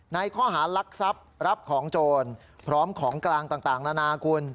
ในข้อหารักทรัพย์รับของโจรพร้อมของกลางต่างนานาคุณ